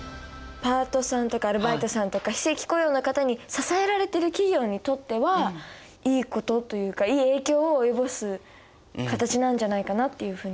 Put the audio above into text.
パートさんとかアルバイトさんとか非正規雇用の方に支えられてる企業にとってはいいことというかいい影響を及ぼす形なんじゃないかなっていうふうに思いました。